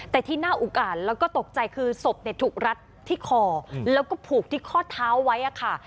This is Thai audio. แต่ที่น่าอุกอ่านแล้วก็ตกใจคือศพถูกรัดที่คอแล้วก็ผูกที่ข้อเท้าไว้ค่ะ